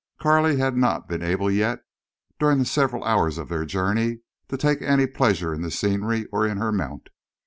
Carley had not been able yet, during the several hours of their journey, to take any pleasure in the scenery or in her mount.